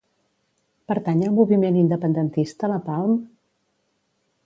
Pertany al moviment independentista la Palm?